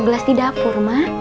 selalu malah perlu di judul mah